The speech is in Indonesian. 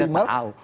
saya tidak tahu